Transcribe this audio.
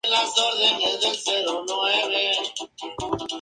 La sección terminó con la desaparición del suplemento.